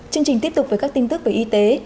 chương trình tiếp tục với các tin tức về y tế